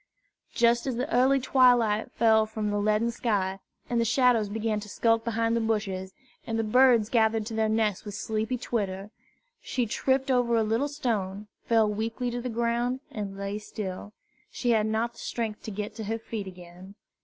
Just as the early twilight fell from the leaden sky, and the shadows began to skulk behind the bushes, and the birds gathered to their nests with sleepy twitter, she tripped over a little stone, fell weakly to the ground, and lay still. She had not the strength to get to her feet again.